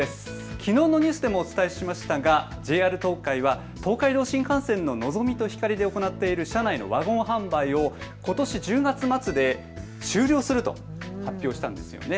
きのうのニュースでもお伝えしましたがＪＲ東海は東海道新幹線ののぞみとひかりで行っている車内のワゴン販売をことし１０月末で終了すると発表したんです。